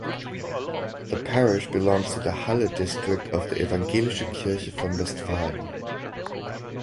The parish belongs to the Halle district of the Evangelische Kirche von Westfalen.